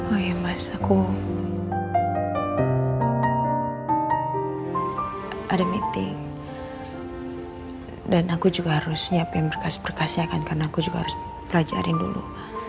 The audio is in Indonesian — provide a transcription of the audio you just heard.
oh ya mas aku ada meeting dan aku juga harus nyiapin berkas berkas ya kan karena aku juga harus pelajarin dulu